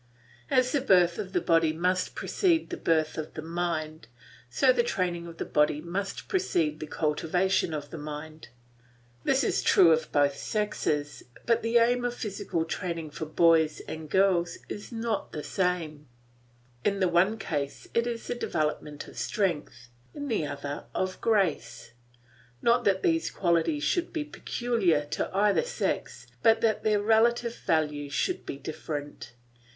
As the birth of the body must precede the birth of the mind, so the training of the body must precede the cultivation of the mind. This is true of both sexes; but the aim of physical training for boys and girls is not the same; in the one case it is the development of strength, in the other of grace; not that these qualities should be peculiar to either sex, but that their relative values should be different.